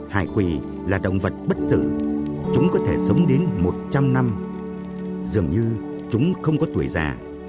hải quỷ là động vật bất tử chúng có thể sống đến một trăm linh năm dường như chúng không có tuổi già